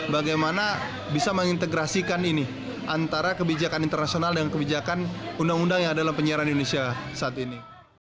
bagaimana bisa mengintegrasikan ini antara kebijakan internasional dan kebijakan undang undang yang ada dalam penyiaran indonesia saat ini